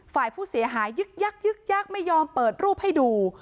ฝ่ายผู้เสียหายยึกยักยึกยักไม่ยอมเปิดรูปให้ดู